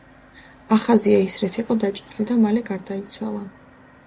ახაზია ისრით იყო დაჭრილი და მალე გარდაიცვალა.